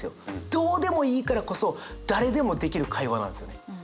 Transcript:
どうでもいいからこそ誰でもできる会話なんですよね。